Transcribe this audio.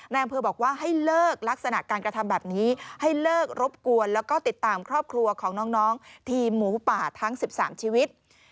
อำเภอบอกว่าให้เลิกลักษณะการกระทำแบบนี้ให้เลิกรบกวนแล้วก็ติดตามครอบครัวของน้องทีมหมูป่าทั้ง๑๓ชีวิต